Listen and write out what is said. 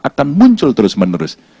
akan muncul terus menerus